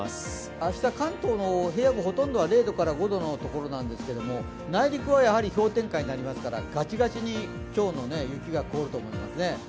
明日関東平野部のほとんどのところは５度から０度なんですけれども内陸は氷点下になりますからがちがちに今日の雪が凍ると思います。